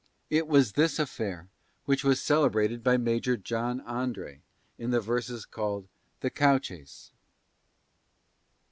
It was this affair which was celebrated by Major John André in the verses called "The Cow Chace."